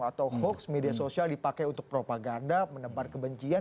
atau hoax media sosial dipakai untuk propaganda menebar kebencian